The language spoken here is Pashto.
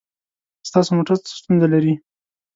ستاسو موټر څه ستونزه لري؟